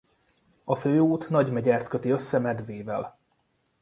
A főút Nagymegyert köti össze Medvével.